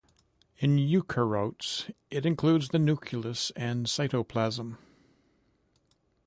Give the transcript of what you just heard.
In eukaryotes it includes the nucleus and cytoplasm.